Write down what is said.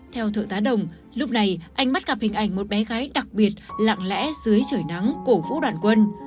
theo thượng tá đồng lúc này anh bắt gặp hình ảnh một bé gái đặc biệt lặng lẽ dưới trời nắng cổ vũ đoàn quân